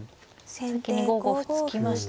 先に５五歩突きましたね。